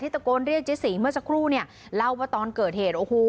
ตะโกนเรียกเจ๊สีเมื่อสักครู่เนี่ยเล่าว่าตอนเกิดเหตุโอ้โห